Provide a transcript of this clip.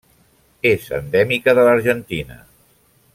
És endèmica de l'Argentina.